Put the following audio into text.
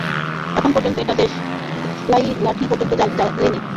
এখন পর্যন্ত একটা দেশলাইকাঠি পর্যন্ত জ্বলেনি!